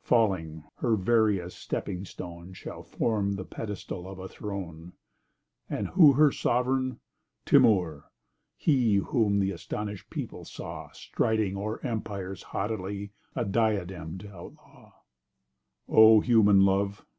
Falling—her veriest stepping stone Shall form the pedestal of a throne— And who her sovereign? Timour—he Whom the astonished people saw Striding o'er empires haughtily A diadem'd outlaw— O! human love!